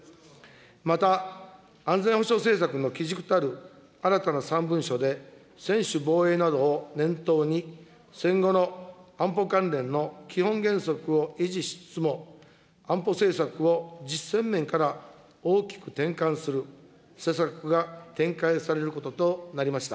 また安全保障政策の基軸たる新たな３文書で、専守防衛などを念頭に、戦後の安保関連の基本原則を維持しつつも、安保政策を実践面から大きく転換する施策が展開されることとなりました。